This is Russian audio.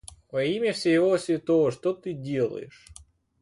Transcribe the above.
Во имя всего святого, что ты делаешь!?